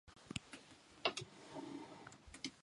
咲いた花は悪い匂いがした。